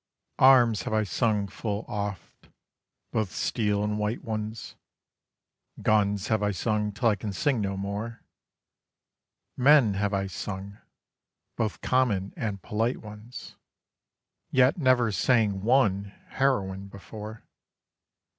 _ Arms have I sung full oft, both steel and white ones; Guns have I sung till I can sing no more; Men have I sung, both common and polite ones: Yet never sang one heroine before.